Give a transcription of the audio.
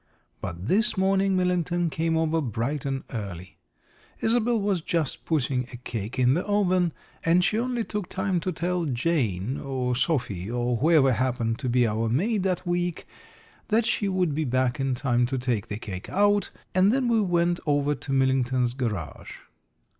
But this morning Millington came over bright and early. Isobel was just putting a cake in the oven, and she only took time to tell Jane, or Sophie, or whoever happened to be our maid that week, that she would be back in time to take the cake out, and then we went over to Millington's garage.